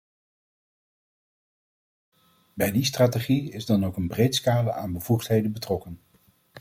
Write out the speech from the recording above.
Bij die strategie is dan ook een breed scala aan bevoegdheden betrokken.